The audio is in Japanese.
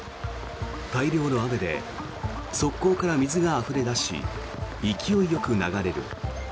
大漁の雨で側溝から水があふれ出し勢いよく流れる。